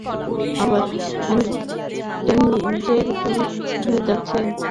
আমার হাজবেন্ডের চুল পরে যাচ্ছে আর মাথায় অনেক খুশকি আছে।